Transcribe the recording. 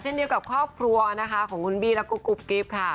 เช่นเดียวกับครอบครัวของคุณบีและกรุ๊ปกรีฟค่ะ